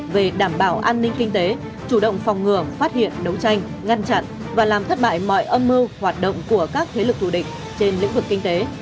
về đảm bảo an ninh kinh tế chủ động phòng ngừa phát hiện đấu tranh ngăn chặn và làm thất bại mọi âm mưu hoạt động của các thế lực thủ địch trên lĩnh vực kinh tế